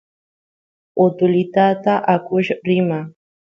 utulitata akush rima